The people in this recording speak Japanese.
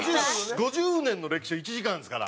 ５０年の歴史を１時間ですから。